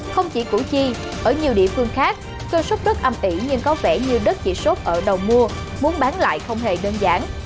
không chỉ củ chi ở nhiều địa phương khác cơ suất rất âm tỷ nhưng có vẻ như đất chỉ sốt ở đầu mua muốn bán lại không hề đơn giản